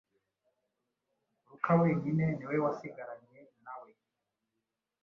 Luka wenyine ni we wasigaranye na we